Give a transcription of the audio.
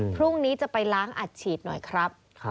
พรุ่งนี้จะไปล้างอัดฉีดหน่อยครับ